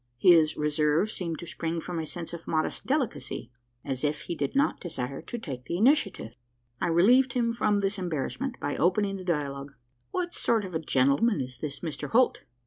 His reserve seemed to spring from a sense of modest delicacy as if he did not desire to take the initiative. I relieved him from this embarrassment, by opening the dialogue: "What sort of a gentleman is this Mr Holt?"